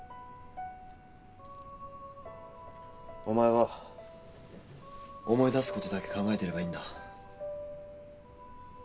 お前は思い出すことだけ考えてればいいんだ。